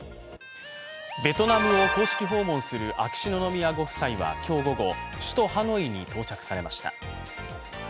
ベトナムを公式訪問する秋篠宮ご夫妻は今日午後、首都・ハノイに到着されました。